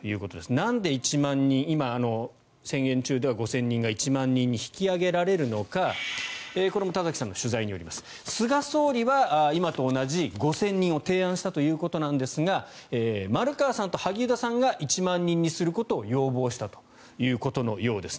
なんで１万人今、宣言中５０００人が１万人に引き上げられるのかこれも田崎さんの取材によりますと菅総理は今と同じ５０００人を提案したということですが丸川さんと萩生田さんが１万人にすることを要望したということのようです。